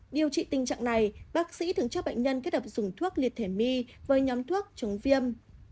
điều trị tình trạng này bác sĩ thường cho bệnh nhân kết hợp dùng thuốc liệt thể my với nhóm thuốc chống viêm